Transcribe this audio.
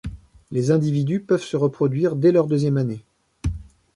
Les individus peuvent se reproduire dès leur deuxième année.